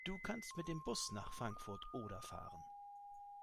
Du kannst mit dem Bus nach Frankfurt (Oder) fahren